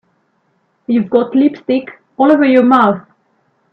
You've got lipstick all over your mouth.